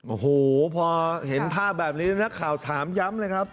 โอ้โหพอเห็นภาพแบบนี้นักข่าวถามย้ำเลยครับ